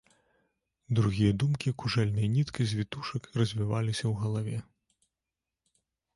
Другія думкі кужэльнай ніткай з вітушак развіваліся ў галаве.